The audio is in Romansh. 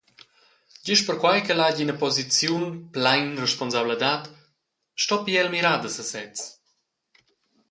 Gest perquei ch’el hagi ina posiziun plein responsabladad, stoppi el mirar da sesez.